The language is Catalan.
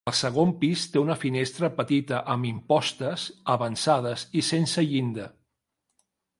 El segon pis té una finestra petita amb impostes avançades i sense llinda.